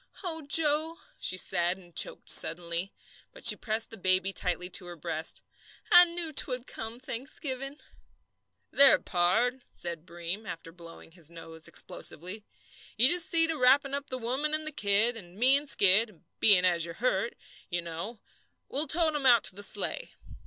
"Oh, Joe," she said, and choked suddenly; but she pressed the baby tightly to her breast. "I knew 'twould come Thanksgiving." "There, pard," said Breem, after blowing his nose explosively, "you just see to wrappin' up the woman and the kid, and me and Skid, being as you're hurt, you know, 'll tote 'em out to the sleigh."